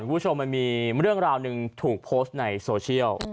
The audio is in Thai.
คุณผู้ชมมันมีเรื่องราวหนึ่งถูกโพสต์ในโซเชียล